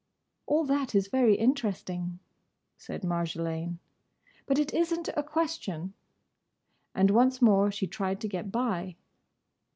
"All that is very interesting," said Marjolaine, "but it is n't a question," and once more she tried to get by.